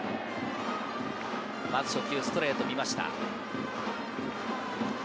初球ストレートを見ました。